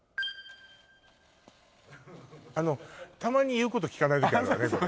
あのたまに言うこと聞かない時あるわね